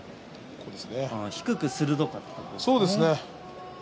低く鋭かったんですね。